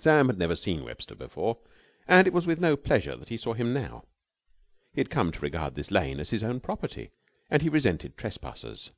Sam had never seen Webster before, and it was with no pleasure that he saw him now. He had come to regard this lane as his own property, and he resented trespassers.